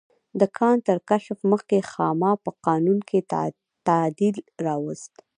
د کان تر کشف مخکې خاما په قانون کې تعدیل راوست.